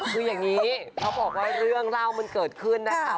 คืออย่างนี้เขาบอกว่าเรื่องเล่ามันเกิดขึ้นนะคะ